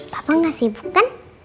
papa nggak sibuk kan